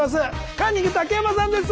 カンニング竹山さんです！